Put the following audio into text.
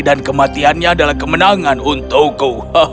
kematiannya adalah kemenangan untukku